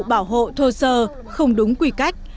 vụ bảo hộ thô sơ không đúng quy cách